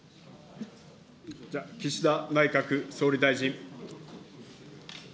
岸田内閣総理大臣。